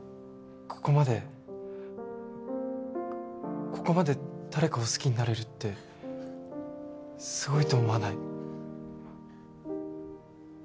ここまでここまで誰かを好きになれるってすごいと思わない？